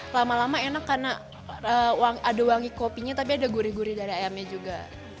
lama lama enak karena ada wangi kopinya tapi ada gurih gurih dari ayamnya juga